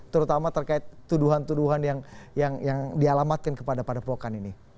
terutama terkait tuduhan tuduhan yang dialamatkan kepada padepokan ini